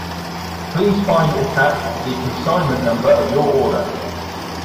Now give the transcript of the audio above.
Please find attached the consignment number of your order.